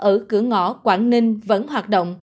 ở cửa ngõ quảng ninh vẫn hoạt động